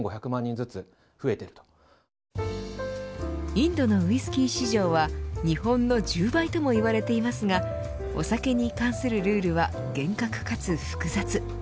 インドのウイスキー市場は日本の１０倍ともいわれていますがお酒に関するルールは厳格かつ複雑。